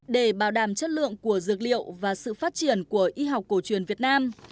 để bảo đảm chất lượng của dược liệu và sự phát triển của y học cổ truyền việt nam